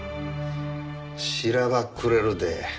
しらばっくれるて。